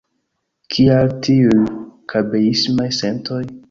Kial tiuj kabeismaj sentoj?